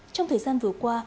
trong thời gian vừa qua